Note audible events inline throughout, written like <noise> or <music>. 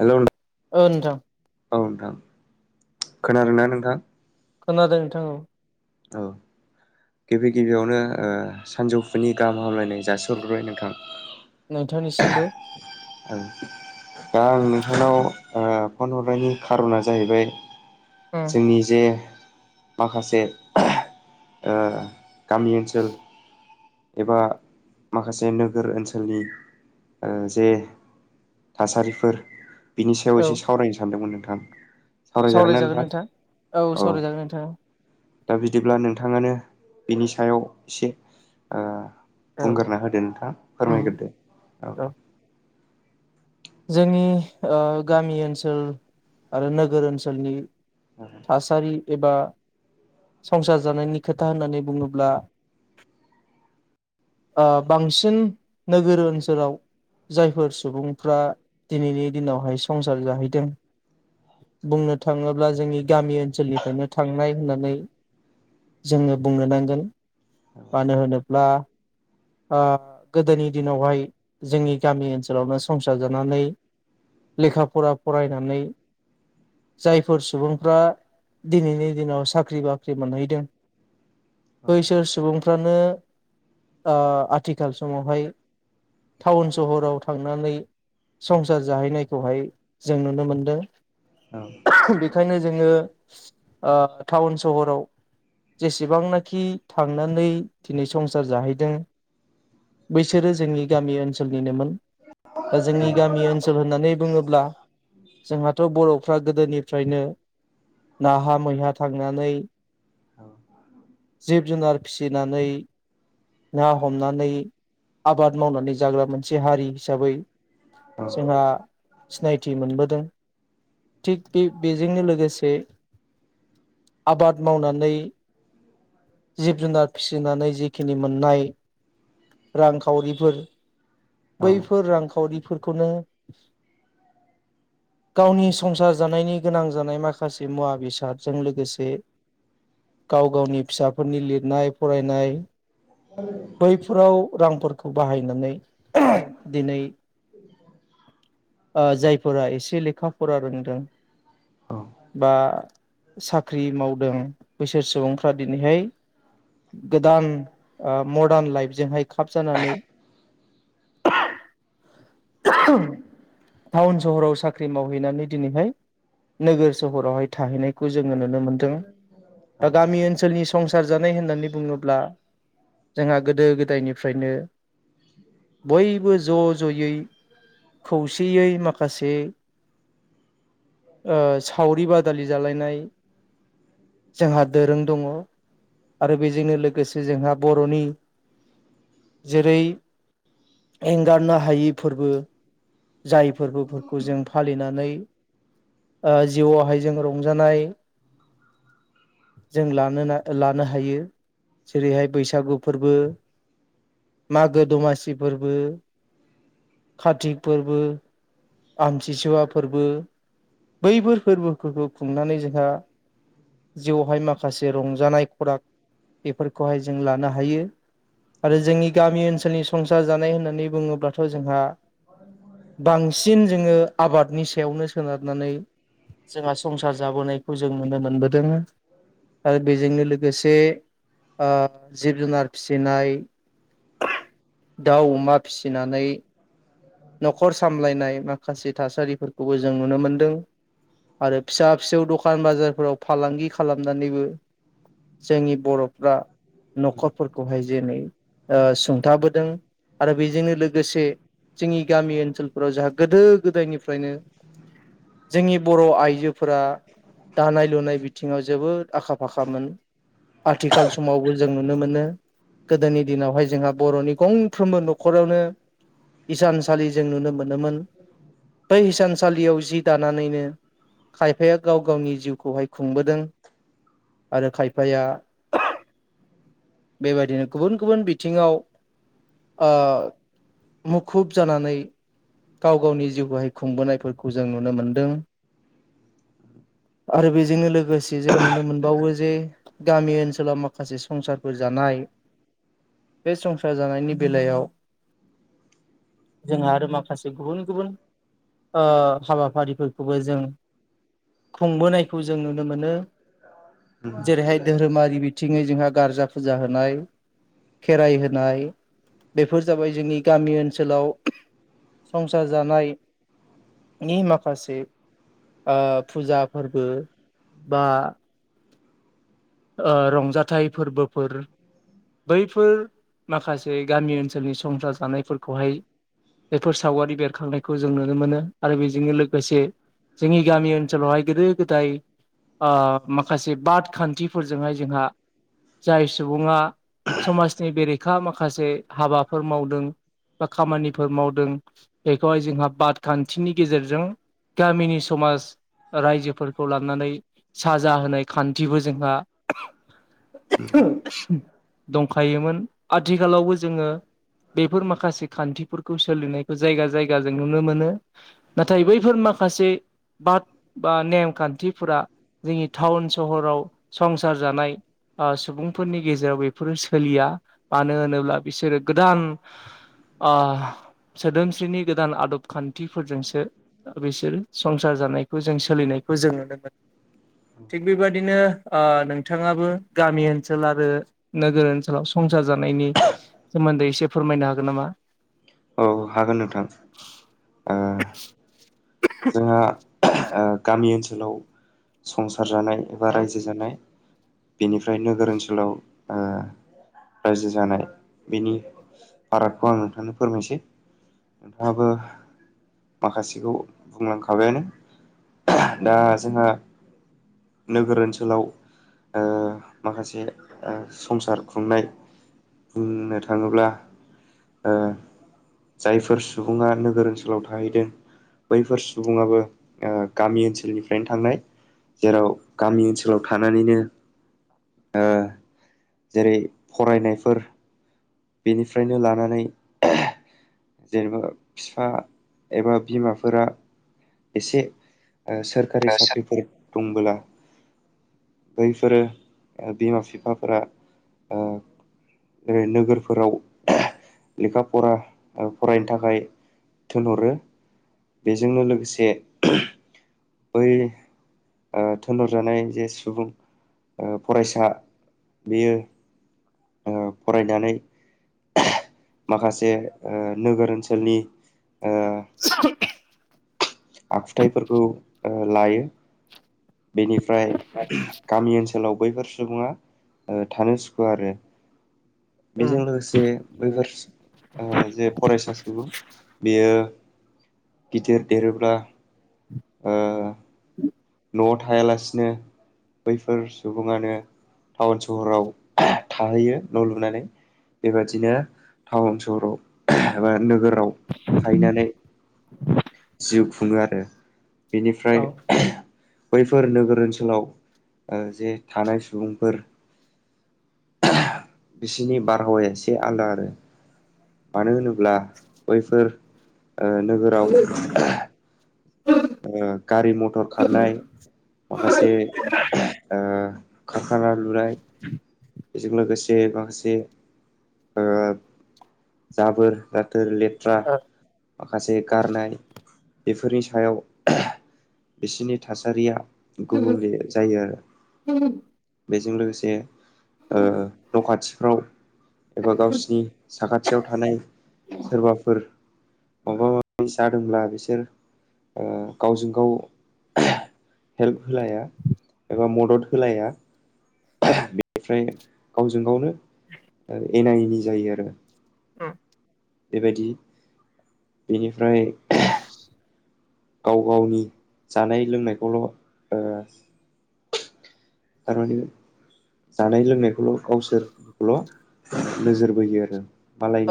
Hello नों ओ नोंथां। औ नोंथां खोनादों ना नोंथां? खोनादों नोंथां औ। औ। गिबि गिबियावनो ओ सानजौफुनि गाहाम हामलायनाय जासिहरग्रोबाय नोंथां। नोंथांनिसिमबो औ दा आं नोंथांनाव ओ फन हरनायनि खार'ना जाहैबाय जोंनि जे माखासे ओ गामि ओनसोल एबा माखासे नोगोर ओनसोलनि ओ‌ जे थासारिफोर बिनि सायाव औ एसे सावरायनो सानदोंमोन नोंथां। ना सावरायजागोन नोंथां नोंथां‌ औ सावरायजागोन नोंथाङा। दा बिदिब्ला नोंथाङानो बिनि सायाव इसे ओ औ बुंगोरना होदो नोंथां उम फोरमायग्रोदो। औ। जोंनि ओ गामि ओनसोल आरो नोगोर ओनसोलनि औ थासारि एबा संसार जानायनि खोथा होननानै बुङोब्ला ओ बांसिन नोगोर ओनसोलाव जायफोर सुबुंफ्रा दिनैनि दिनावहाय संसार जाहैदों बुंनो थाङोब्ला जोंनि गामि ओनसोलनिफ्रायनो थांनाय होननानै जोङो बुंनो नांगोन मानो होनोब्ला ओ गोदोनि दिनावहाय जोंनि गामि ओनसोलावनो संसार जानानै लेखा फरा फरायनानै जायफोर सुबुंफ्रा दिनैनि दिनाव साख्रि बाख्रि मोनहैदों बैसोर सुबुंफ्रानो ओ‌ आथिखाल समावहाय टाउन सहराव थांनानै संसार जाहैनायखौहाय जों नुनो मोनदों। औ। बेखायनो जोङो ओ टाउन सहराव जेसेबांनाखि थांनानै दिनै संसार जाहैदों बैसोरो जोंनि गामि ओनसोलनिनोमोन। दा जोंनि गामि ओनसोल होननानै बुङोब्ला जोंहाथ' बर'फ्रा गोदोनिफ्रायनो नाहा मैहा थांनानै जिब जुनार फिसिनानै ना हमनानै आबाद मावनानै जाग्रा मोनसे हारि हिसाबै जोंहा सिनायथि मोनबोदों। थिग बे बेजोंनो लोगोसे आबाद मावनानै जिब जुनार फिसिनानै जिखि खिनि मोननाय रांखावरिफोर बैफोर रांखावरिफोरखौनो <inaudible> गावनि संसार जानायनि गोनां जानाय माखासे मुवा बेसादजों लोगोसे गाव गावनि फिसाफोरनि लिरनाय फरायनाय <unintelligible> बैफोराव रांफोरखौ बाहायनानै दिनै ओ जायफोरा एसे लेखा फरा रोंदों बा साख्रि मावदों बैसोर सुबुंफ्रा दिनैहाय गोदान मदार्न ओ लाइफजोंहाय खाब जानानै <unintelligible> टाउन सहराव साख्रि मावहैनानै दिनैहाय नोगोर सहरावहाय थाहैनाय जोङो नुनो मोनदों दा गामि ओन सोलनि संसार जानाय होननानै बुङोब्ला जोंहा गोदो गोदायनिफ्रायनो बयबो ज' ज'यै खौसेयै माखासे ओ सावरि बादालि जालायनाय जोंहा दोरों दङ। आरो बेजोंनो लोगोसे जोंहा बर'नि जेरै एंगारनो हायि फोरबो जाय फोरबोफोरखौ जों फालिनानै ओ जिउआवहाय जों रंजानाय जों लानो ना लानो हायो। जेरैहाय बैसागु फोरबो मागो दमासि फोरबो कारतिक फोरबो आमथिसुवा फोरबो बैफोर फोरबोफोरखौ खुंनानै जोंहा जिउआवहाय माखासे रंजानाय खराग बेफोरखौहाय जों लानो हायो। आरो जोंनि गामि ओनसोलनि संसार जानाय होननानै बुङोब्लाथ' जोंहा बां जोङो आबादनि सायावनो सोनारनानै जोंहा संसार जाबोनायखौ जों नुनो मोनबोदों। ओ बेजोंनो लोगोसे ओ जिब जुनार फिसिनाय दाउ अमा फिसिनानै न'खर सा सामलायनाय माखासे थासारिफोरखौबो जों नुनो मोनदों। आरो फिसा फिसौ दखान बाजारफोराव फालांगि खालामनानैबो जोंनि बर'फ्रा न'खरफोरखौहाय जेनै ओ सुंथाबोदों आरो बेजोंनो लोगोसे जोंनि गामि ओनसोल फोराव जोंहा गोदो गोदायनिफ्रायनो जोंनि बर' आइजोफोरा दानाय लुनाय बिथिङाव जोबोद आखा फाखामोन। आथिखाल समावबो जों नुनो मोनो। गोदोनि दिनावहाय जोंहा बर'नि गंफ्रोमबो न'खरावनो इसानसालि जों नुनो मोनोमोन बै इसानसालियाव जि दानानैनो खायफाया गाव गावनि जिउखौहाय खुंबोदों। आरो खायफाया बेबायदिनो गुबुन गुबुन बिथिंङाव ओ मुखुब जानानै गाव गावनि जिउखौहाय खुंबोनायफोरखौ जों नुनो मोनदों। आरो बेजोंनो लोगोसे जों नुनो मोनबावो जे गामि ओनसोलाव माखासे संसारफोर जानाय बे संसार जानायनि बेलायाव जोंहा आरो माखा खासे गुबुन गुबुन ओ हाबाफारिफोरखौबो जों खुंबोनायखौ जों नुनो मोनो जेरैहाय धोरोमारि बि बिथिङै जोंहा गारजा फुजा होनाय। खेराइ होनाय बेफोर जाबाय जोंनि गामि ओनसोलाव संसार जानायनि माखासे ओ फुजा फोरबो बा ओ रंजाथाइ फोरबोफोर बैफोर माखासे गामि ओनसोलनि संसार जानायफोरखौहाय बेफोर सावगारि बेरखांनायखौ जों नुनो मोनो आरो बेजोंनो लोगोसे जोंनि गामि ओनसोलावहाय गोदो गोदाय ओ माखासे बाद खान्थिफोरजोंहाय जोंहा जाय सुबुङा समाजनि बेरेखा माखासे हाबाफोर मावदों बा खामानिफोर मावद दों। बेखौहाय जोंहा बाद खान्थिनि गेजेरजों गामिनि समाज रायजोफोरखौ लानानै साजा होनाय खान्थिबो जोंहा दंखायोमोन। आथिखालावबो जोङो बेफोर माखासे खान्थिफोरखौ सो सोलिनायखौ जायगा जायगा जों नुनो मोनो। नाथाय बैफोर माखासे बाद बा नेमखान्थिफोरा जोंनि टाउन सहराव संसार जानाय ओ सुबुंफोरनि गेजेराव बेफोरो सोलिया मानो होनोब्ला बिसोरो गोदान ओ सोदोमस्रिनि गोदान आदब खान्थिफोरजोंसो बिसोरो संसार जानायखौ जों सोलिनायखौ जों नुनो मोनो। थिग बेबादिनो ओ नोंथाङाबो गामि ओनसोल आरो नोगोर ओनसोलाव संसार जानायनि सोमोन्दै एसे फोरमायनो हागोन नामा? औ हागोन नोंथां। ओ जोङो ओ गामि ओनसोलाव संसार जानाय एबा उम रायजो जानाय। बेनिफ्राय नोगोर ओनसोलाव ओ रायजो जानाय बेनि फारागखौ आं नोंथांनो फोरमायसै। नोंथाङाबो माखासेखौ बुंलांखाबायानो। दा जोंहा नोगोर ओनसोलाव ओ माखासे ओ संसार खुंनाय बुंनो थाङोब्ला ओ जायफोर सुबुङा नोगोर ओनसोलाव थाहैदों बैफोर सुबुङाबो ओ गामि ओनसोलनिफ्रायनो थांनाय। जेराव गामि ओनसोलाव थानानैनो ओ जेरै फरायनायफोर बेनिफ्रायनो लानानै जेनेबा बिफा एबा बिमाफोरा एसे ओ सोरखारि साख्रिफोर दंबोला बैफोरो बिमा बिफाफोरा ओ ओरै नोगोरफो फोराव लेखा फरा ओ फरायनो थाखाय थोनहरो। बेजोंनो लोगोसे बै ओ थोनहर जानाय जे सुबुं ओ फरायसा बेयो ओ फरायनानै माखासे ओ नोगोर ओनसोलनि ओ स आखुथाइफोरखौ ओ लायो। बेनिफ्राय गामि ओनसोलाव बैफोर सुबुङा ओ थानो सुखुवा आरो। बेजों उम लोगोसे बैफोर ओ जे फरायसा सुबुं बेयो गिदिर देरोब्ला ओ न'आव थायालासिनो बैफोर सुबुङानो टाउन सहराव थाहैयो न' लुनानै। बेबादिनो टाउन सहराव एबा नोगोराव थाहैनानै जिउ खुङो आरो। औ बेनिफ्राय ओ बैफोर नोगोर ओनसोलाव ओ जे थानाय सुबुंफोर <unintelligible> बिसिनि बारहावाया एसे आलदा आरो। मानो होनोब्ला बैफोर ओ नोगोराव <unintelligible> ओ गारि मथर खारनाय माखासे ओ कारखाना लुनाय। बेजों लोगोसे माखासे ओ जाबोर जाथोर लेट थ्रा माखासे गारनाय बेफोरनि सायाव बिसिनि थासारिया गुबुंले जायो आरो। उम बेजों लोगोसे ओ न' खाथिफ्राव एबा गावसिनि साखाथियाव थानाय सोरबाफोर माबा माबि जादोंब्ला बिसोर ओ गावजों गाव हेल्प होलाया। एबा मदद होलाया। <unintelligible> बेनिफ्राय गावजों गावनो ओ एना एनि जायो आरो। बेबायदि बेनिफ्राय <unintelligible> गाव गावनि जानाय लोंनायखौल' ओ थारमाने जानाय लोंनाय खौल' गावसोरखौल' नोजोर बोयो आरो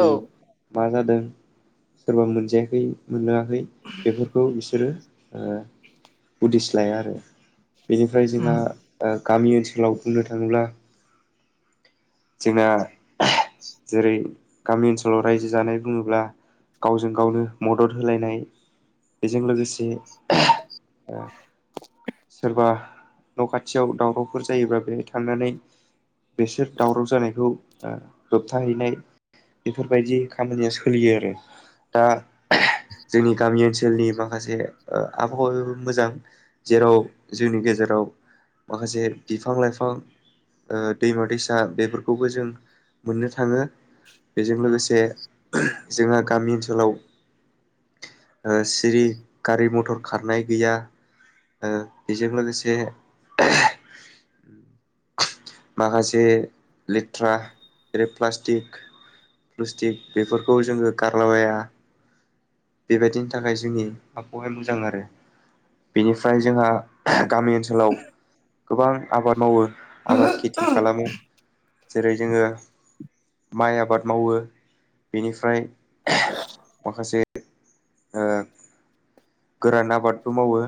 औ मा जादों सोरबा मोनजायाखै मोनलोंङाखै बेफोरखौ बिसोरो ओ उदिस लाया आरो बेनिफ्राय उम जोंहा ओ गामि ओनसोलाव बुंनो थांङोब्ला जोंना <unintelligible> जेरै गामि ओनसोलाव रायजो जानाय बुंङोब्ला गावजों गावनो मदद होलायनाय बेजों लोगोसे <unintelligible> ओ सोरबा न' खाथियाव दावरावफोर जायोब्ला बेहाय थांनानै बेसोर दावराव जानायखौ ओ होबथाहैनाय बेफोरबायदि खामानिया सोलियो आरो। दा <unintelligible> जोंनि गामि ओनसोलनि माखासे ओ आबहावायाबो मोजां। जेराव जोंनि गेजेराव माखासे बिफां लाइफां ओ दैमा दैसा बेफोरखौबो जों मोननो थांङो बेजों लोगोसे <unintelligible> जोंहा गामि ओनसोलाव ओ सिरि गारि मथर खारनाय गैया ओ बेजों लोगोसे <unintelligible> माखासे लेथ्रा जेरै प्लास्टिक प्लुस्टिक बेफोरखौ जोङो गारलाबाया। बेबायदिनि थाखाय जोंनि आबहावाया मोजां आरो बेनिफ्राय जोंहा गामि ओनसोलाव गोबां आबाद मावो आबाद खेथि खालामो। जेरै जोङो माइ आबाद मावो बेनिफ्राय <unintelligible> माखासे ओ गोरान आबादबो मावो।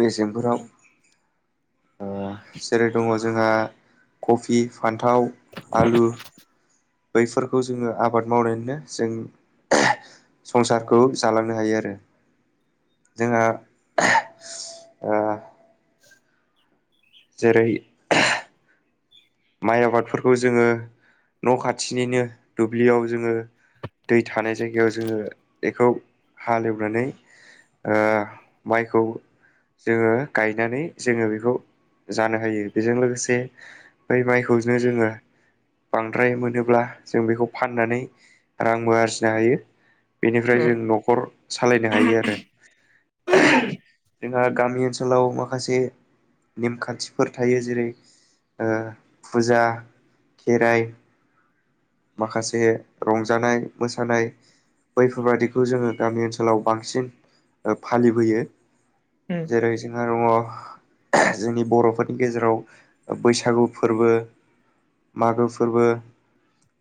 मेसेंफोराव। ओ जेरै दङ जोंहा कफि फान्थाव आलु। बैफोरखौ जोङो आबाद मावनानैनो जों <unintelligible> संसारखौ जालांनो हायो आरो जोंहा ओ <inaudible> जेरै माइ आबादफोरखौ जोङो न' खाथिनिनो दुब्लियाव जोङो दै थानाय जायगायाव जोङो एखौ हालेवनानै ओ माइखौ जोङो गायनानै जोङो बेखौ जानो हायो बेजों लोगोसे बै माइखौनो जोङो बांद्राय मोनोब्ला जों बेखौ फाननानै रांबो आरजिनो हायो। बेनिफ्राय उम जों न'खर सालायनो हायो आरो। जोंहा गामि ओनसोलाव माखासे नेम खान्थिफोर थायो। जेरै ओ फुजा खेराइ माखासे रंजानाय मोसानाय बैफोरबादिखौ जोङो गामि ओनसोलाव बांसिन ओ फालिबोयो। ओम। जेरै जोंहा दङ। जोंनि बर'फोरनि गेजेराव ओ बैसागु फोरबो मागो फोरबो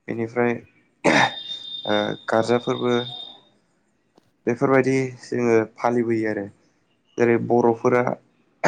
बेनिफ्राय ओ गारजा फोरबो बेफोरबायदि जोङो फालिबोयो आरो। जेरै बर'फोरा